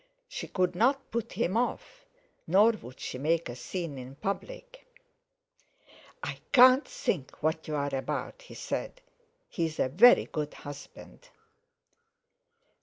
She could not put him off; nor would she make a scene in public. "I can't think what you're about," he said. "He's a very good husband!"